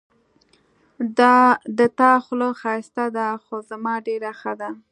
د تا خوله ښایسته ده خو زما ډېره ښه ده